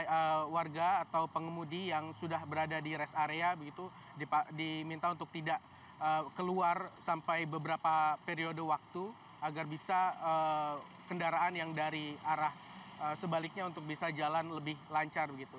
dari warga atau pengemudi yang sudah berada di rest area begitu diminta untuk tidak keluar sampai beberapa periode waktu agar bisa kendaraan yang dari arah sebaliknya untuk bisa jalan lebih lancar begitu